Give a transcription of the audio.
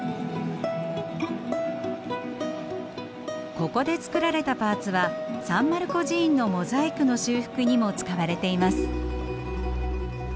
ここで作られたパーツはサン・マルコ寺院のモザイクの修復にも使われています。